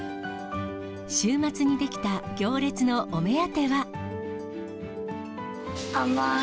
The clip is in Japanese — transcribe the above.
週末に出来た行列のお目当て甘ーい